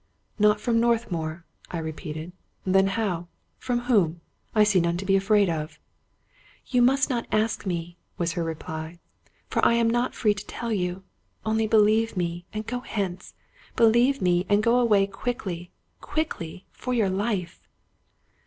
"Not from Northmour?" I repeated. "Then how? From whom? I see none to be afraid of." " You must not ask me," was her reply, " for I am not free to tell you. Only believe me, and go hence — believe me, and go away quickly, quickly, for your life!